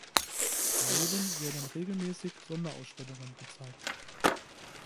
Daneben werden regelmäßig Sonderausstellungen gezeigt.